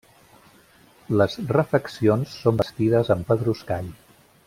Les refeccions són bastides amb pedruscall.